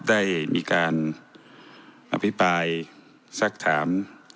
ได้มีการอภิปรายสักถาม